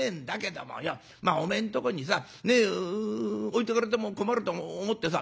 おめえんとこにさ置いとかれても困ると思ってさ